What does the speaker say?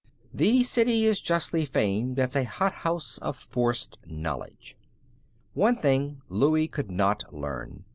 The city is justly famed as a hot house of forced knowledge. One thing Louie could not learn.